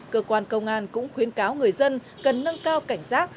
cơ quan công an cũng khuyến cáo người dân cần nâng cao cảnh giác